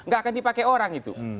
gak akan dipakai orang itu